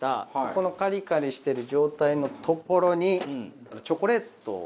このカリカリしてる状態のところにチョコレートを。